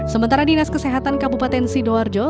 sementara dinas kesehatan kabupaten sidoarjo